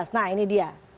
nah ini dia